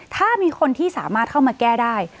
ถ้ามีคนที่สามารถเข้ามาแก้ได้